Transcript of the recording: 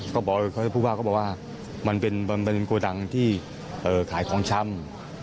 เขาบอกว่ามันเป็นกระดังที่ขายของชำ